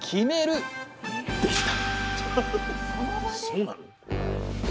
そうなの？